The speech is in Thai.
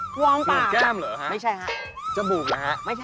ฝ่วงปากไม่ใช่หรือครับจมูกนะครับไม่ใช่